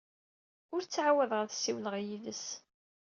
Ur ttɛawadeɣ ad ssiwleɣ yid-s.